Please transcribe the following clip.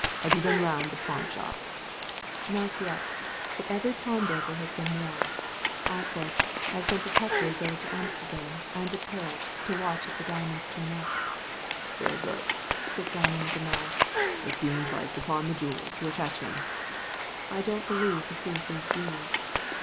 Have you been round the pawnshops ?^ "Not yet; but every pawnbroker has been warned Also, I have sent detectives over to Amsterdam and to Paris to watch if the diamonds turn up. * Very good/' said Simon, with a nod; "if Dean tries to pawn the jewels you'll catch him." ^I don't believe the thief is Dean."